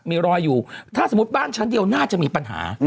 มีรอยอยู่ถ้าสมมุติบ้านชั้นเดียวน่าจะมีปัญหา